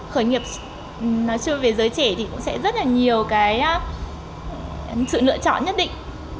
khởi nghiệp về giới trẻ cũng sẽ rất nhiều sự lựa chọn nhất định